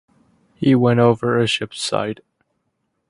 He went over a ship's side.